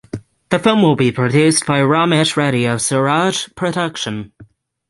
The film will be produced by Ramesh Reddy of Suraj Production.